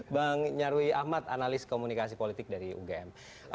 bang nyarwi ahmad analis komunikasi politik dari ugm